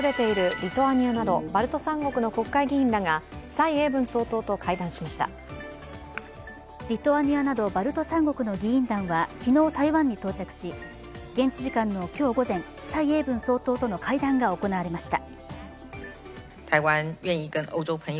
リトアニアなどバルト三国の議員団は昨日、台湾に到着し現地時間の今日午前蔡英文総統との会談が行われました。